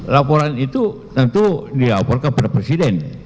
laporan itu tentu dilaporkan pada presiden